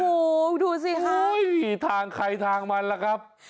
โอ้โหดูสิฮะทางใครทางมันล่ะครับ